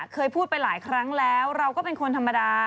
เคยพูดไปหลายครั้งแล้วเราก็เป็นคนธรรมดา